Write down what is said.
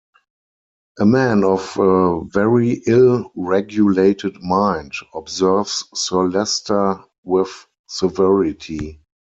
"A man of a very ill-regulated mind," observes Sir Leicester with severity.